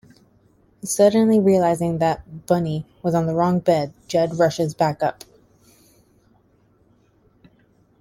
Suddenly realizing that Bunny was on the wrong bed, Jed rushes back up.